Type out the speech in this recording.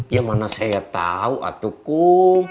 ya mana saya tau atukum